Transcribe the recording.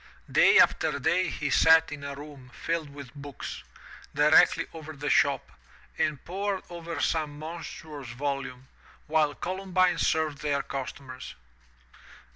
Day after day he sat in a room filled with books, directly over the shop, and pored over some monstrous volume, while Columbine served their customers.